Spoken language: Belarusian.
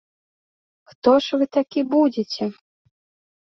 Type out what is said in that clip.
Хто ж вы такі будзеце?